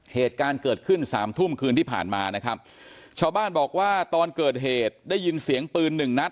เหตุการณ์เกิดขึ้นสามทุ่มคืนที่ผ่านมานะครับชาวบ้านบอกว่าตอนเกิดเหตุได้ยินเสียงปืนหนึ่งนัด